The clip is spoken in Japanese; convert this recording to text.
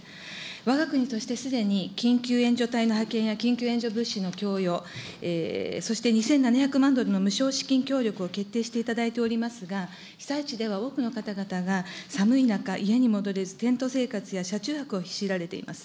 わが国としてすでに緊急援助隊の派遣や緊急援助物資の供与、そして２７００万ドルの無償資金協力を決定していただいておりますが、被災地では多くの方々が、寒い中、家に戻れず、テント生活や車中泊を強いられています。